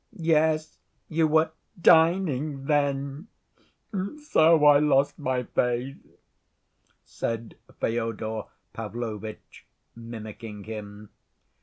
"Yes, you were dining then, and so I lost my faith!" said Fyodor Pavlovitch, mimicking him.